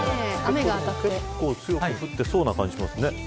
結構強く降っていそうな感じしますね。